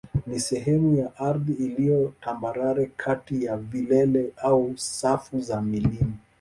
ni sehemu ya ardhi iliyo tambarare kati ya vilele au safu za milima.